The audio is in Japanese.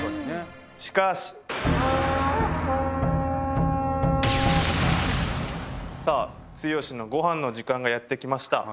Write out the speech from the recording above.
しかしさあツヨシのご飯の時間がやってきました